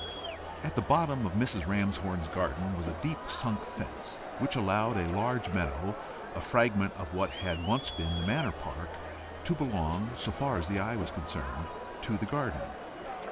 At the bottom of Mrs. Ramshorn's garden was a deep sunk fence, which allowed a large meadow, a fragment of what had once been the manor park, to belong, so far as the eye was concerned, to the garden.